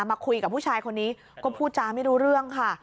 มาคุยกับผู้ชายคนนี้ก็พูดจาไม่รู้เรื่องค่ะ